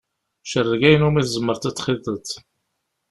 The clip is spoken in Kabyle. Cerreg ayen umi tzemreḍ ad t-txiḍeḍ.